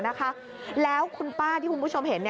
ไข่ที่เพชรบูรณ์แล้วคุณป้าที่คุณผู้ชมเห็น